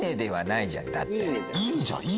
いいじゃん。